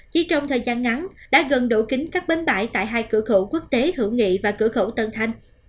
chỉ trong thời gian ngắn đã gần đổ kính các bến bãi tại hai cửa khẩu quốc tế hữu nghị và cửa khẩu tân thanh